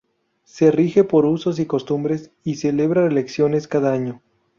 Se rige por usos y costumbres, y celebra elecciones cada año.